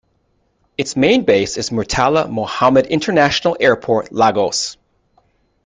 Its main base is Murtala Mohammed International Airport, Lagos.